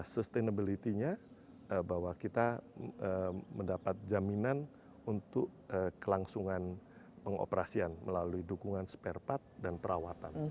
sustainability nya bahwa kita mendapat jaminan untuk kelangsungan pengoperasian melalui dukungan spare part dan perawatan